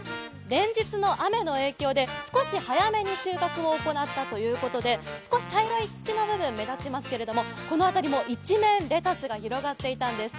連日の雨の影響で少し早めに収穫を行ったということで、少し茶色い土の部分目立ちますけれども、この辺りも一面、レタスが広がっていたんです。